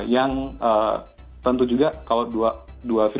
yang tentu juga kalau dua virus ini memang tergolong dalam kualitas